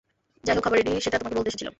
যাইহোক, খাবার রেডি সেটা তোমাকে বলতে এসেছিলাম।